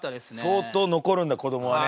相当残るんだ子どもはね。